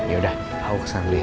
yaudah aku kesana dulu ya